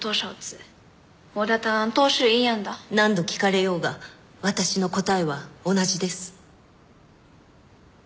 何度聞かれようが私の答えは同じです。